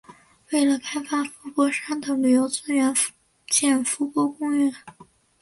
为了开发伏波山的旅游资源建伏波公园。